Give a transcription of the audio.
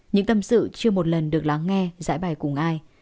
những tâm sự chưa một lần được lắng nghe giải bài cùng ai